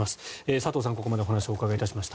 佐藤さん、ここまでお話をお伺いしました。